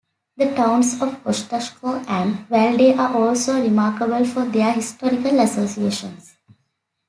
The towns of Ostashkov and Valday are also remarkable for their historical associations.